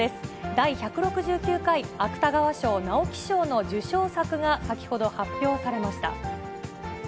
第１６９回芥川賞・直木賞の受賞作が先ほど発表されました。